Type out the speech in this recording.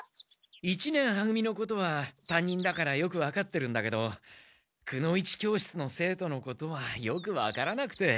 一年は組のことはたんにんだからよくわかってるんだけどくの一教室の生徒のことはよくわからなくて。